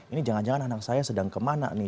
ini jangan jangan anak saya sedang kemana nih